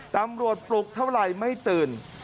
ตำรวจปลุกเท่าไรไม่ตื่น